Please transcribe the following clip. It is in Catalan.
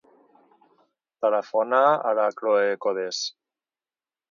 Telefona a la Chloé Codes.